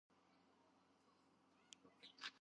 დაქორწინებულია და ორი შვილი ჰყავს.